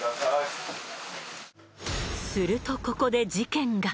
するとここで事件が。